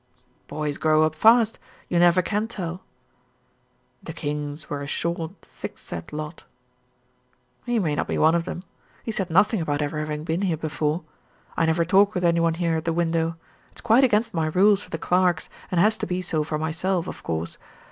"Boys grow up fast. You never can tell." "The Kings were a short, thickset lot." "He may not be one of them. He said nothing about ever having been here before. I never talk with any one here at the window. It's quite against my rules for the clerks, and has to be so for myself, of course.